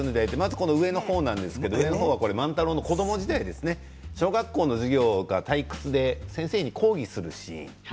上の方は万太郎の子ども時代小学校の授業が退屈で先生に抗議するシーン。